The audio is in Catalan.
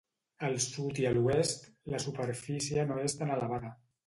Al sud i a l'oest, la superfície no és tan elevada.